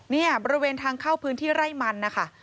เนี่ยบริเวณทางเข้าพื้นที่ไร่มันนะคะ